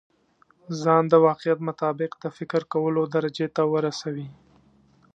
ځان د واقعيت مطابق د فکر کولو درجې ته ورسوي.